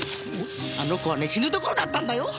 あの子はね死ぬところだったんだよ！